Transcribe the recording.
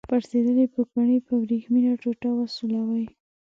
پړسیدلې پوکڼۍ په وریښمینه ټوټه وسولوئ.